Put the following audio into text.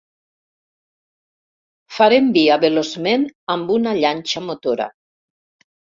Farem via veloçment amb una llanxa motora.